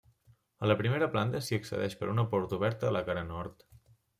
A la primera planta s'hi accedeix per una porta oberta a la cara nord.